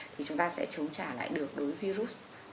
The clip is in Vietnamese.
thì chúng ta sẽ chống trả lại được đối với virus